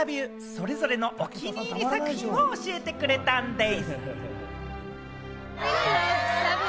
それぞれのお気に入り作品を教えてくれたんでぃす。